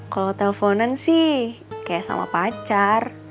kalo teleponan sih kayak sama pacar